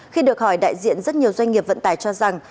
khi được hỏi đại diện rất nhiều doanh nghiệp vận tải cho rằng